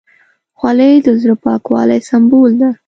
خولۍ د زړه پاکوالي سمبول ده.